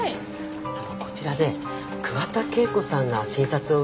あのこちらで桑田景子さんが診察を受けてませんか？